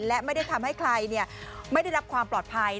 และไม่ได้ทำให้ใครไม่ได้รับความปลอดภัย